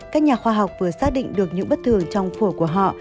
các nhà khoa học vừa xác định được những bất thường trong phổi của họ